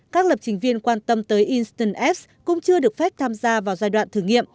các lập trình viên quan tâm tới inston f cũng chưa được phép tham gia vào giai đoạn thử nghiệm